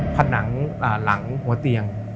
ผนังหลังหัวเตียง